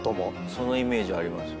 そのイメージありますよ。